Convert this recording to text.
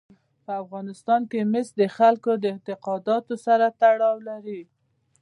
په افغانستان کې مس د خلکو د اعتقاداتو سره تړاو لري.